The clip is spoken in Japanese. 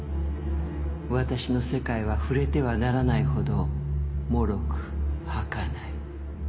私の世界は触れてはならないほどもろく、はかない。